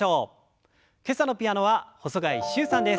今朝のピアノは細貝柊さんです。